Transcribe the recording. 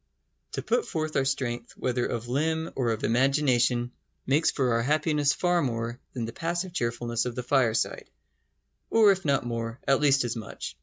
To put forth our strength, whether of limb or of imagination, makes for our happiness far more than the passive cheerfulness of the fireside; or if not more, at least as much.